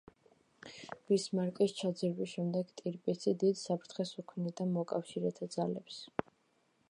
ბისმარკის ჩაძირვის შემდეგ ტირპიცი დიდ საფრთხეს უქმნიდა მოკავშირეთა ძალებს.